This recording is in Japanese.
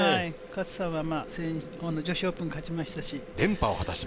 勝さんは先週、女子オープンで勝ちましたし。